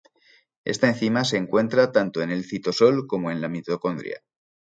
Esta enzima se encuentra tanto en el citosol como en la mitocondria.